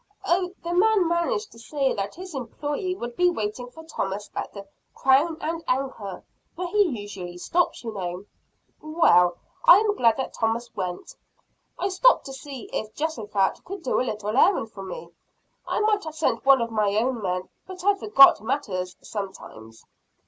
"Oh, the man managed to say that his employee would be waiting for Thomas at the "Crown and Anchor," where he usually stops you know." "Well, I am glad that Thomas went. I stopped to see if Jehosaphat could do a little errand for me I might have sent one of my own men, but I forget matters sometimes."